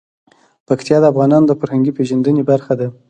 پکتیکا د افغانانو د فرهنګي پیژندنې برخه ده.